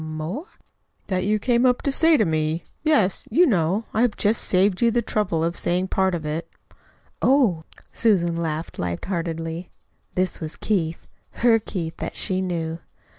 "M more?" "That you came up to say to me yes. You know I have just saved you the trouble of saying part of it." "Oh!" Susan laughed light heartedly. (This was Keith her Keith that she knew.)